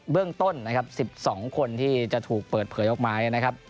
เรื่องต้นนะครับ๑๒คนที่จะถูกเปิดเผยออกมานะครับ